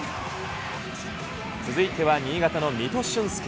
続いては新潟の三戸舜介。